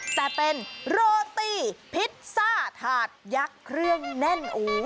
จะเป็นโรตีพิซซ่าถาดยักษ์เครื่องแน่นฟินมาก